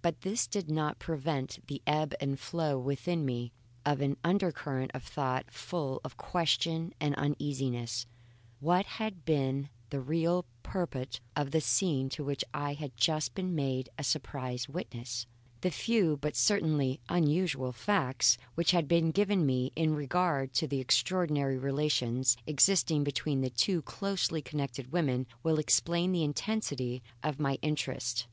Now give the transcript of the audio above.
But this did not prevent the ebb and flow within me of an undercurrent of thought full of question and uneasiness. What had been the real purport of the scene to which I had just been made a surprised witness? The few, but certainly unusual, facts which had been given me in regard to the extraordinary relations existing between these two closely connected women will explain the intensity of my interest.